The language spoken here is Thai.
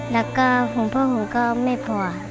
แล้วก็ห่วงพ่อผมก็ไม่พอ